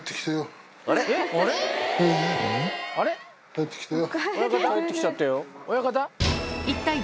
はい、帰ってきたよ。